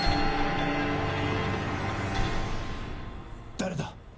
誰だ？